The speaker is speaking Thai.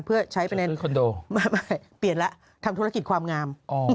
เพื่อใช้ไปในคอนโดไม่เปลี่ยนแล้วทำธุรกิจความงาม